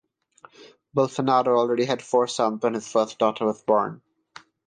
Bolsonaro already had four sons when his first daughter was born.